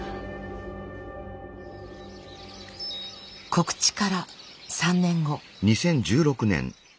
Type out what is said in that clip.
告知から３年後。